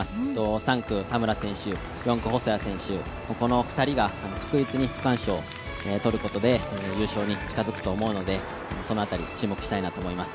３区田村選手、４区細谷選手、この２人が確実に区間賞を取ることで優勝に近づくと思うのでその辺り注目したいなと思います。